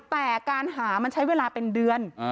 แต่การหามันใช้เวลาเป็นเดือน